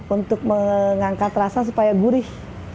untuk mengangkat rasa supaya gurih